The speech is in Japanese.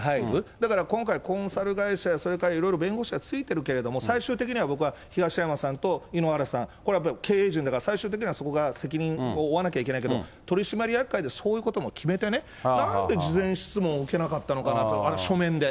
だから今回、コンサル会社や、それからいろいろ弁護士がついてるけれども、最終的には僕は、東山さんと井ノ原さん、これは経営陣だから、最終的にはそこが責任を負わなきゃいけないけど、取締役会でそういうことも決めてね、なんで事前質問を受けなかったのかなと、書面で。